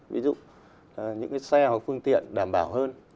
ví dụ những cái xe hoặc phương tiện đảm bảo hơn